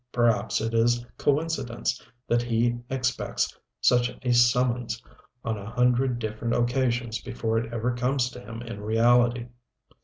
Perhaps it is coincidence that he expects such a summons on a hundred different occasions before it ever comes to him in reality.